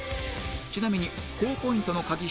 ちなみに高ポイントの鍵